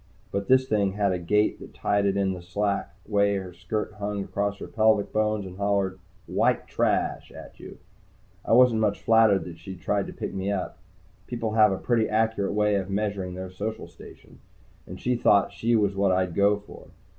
But this thing had a gait that tied in with the slack way her skirt hung across her pelvic bones and hollered "White Trash!" at you. I wasn't much flattered that she had tried to pick me up. People have a pretty accurate way of measuring their social station. And she thought she was what I'd go for.